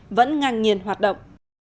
ngành nghiền hoạt động